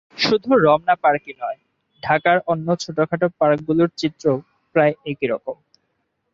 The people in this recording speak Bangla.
শুধু রমনা পার্কই নয়, ঢাকার অন্য ছোটখাটো পার্কগুলোর চিত্রও প্রায় একই।